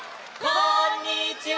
こんにちは！